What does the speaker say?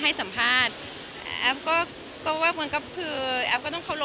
ไม่ว่าความจริงจะเป็นยังไง